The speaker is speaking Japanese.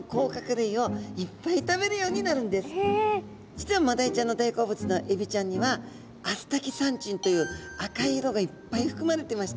実はマダイちゃんの大好物のエビちゃんにはアスタキサンチンという赤い色がいっぱいふくまれてまして。